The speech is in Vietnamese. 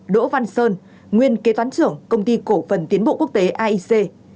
bốn đỗ văn sơn nguyên kế toán trưởng công ty cổ phần tiến bộ quốc tế aic